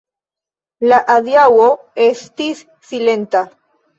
La adiaŭo estis silenta.